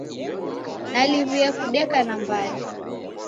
Naliw'ie kudeka na mbande!